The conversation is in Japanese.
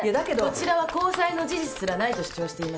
こちらは交際の事実すらないと主張しています。